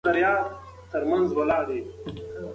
معلم غني یو ډېر متواضع او شاکر انسان دی.